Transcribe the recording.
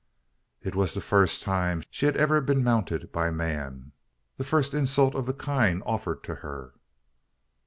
It was the first time she had ever been mounted by man the first insult of the kind offered to her.